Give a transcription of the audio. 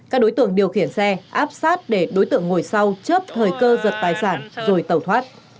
các đối tượng điều khiển xe áp sát để đối tượng ngồi sau chớp thời cơ giật tài sản rồi tẩu thoát